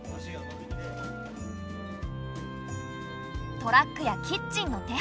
トラックやキッチンの手配